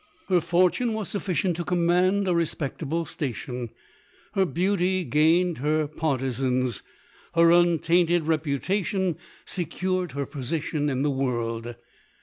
Her fortune was sufficient to command a re spectable station, her beauty gained her par tizans, her untainted reputation secured her LODORE. 205 position in the world.